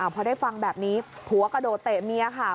พอได้ฟังแบบนี้ผัวกระโดดเตะเมียค่ะ